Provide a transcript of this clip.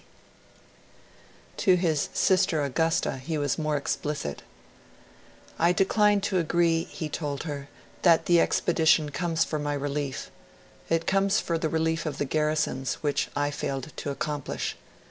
C. G. G.' To his sister Augusta he was more explicit. 'I decline to agree,' he told her, 'that the expedition comes for my relief; it comes for the relief of the garrisons, which I failed to accomplish.